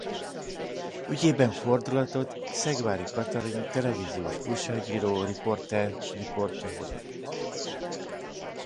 Ügyében fordulatot Szegvári Katalin televíziós újságíró riporter riportja hozott.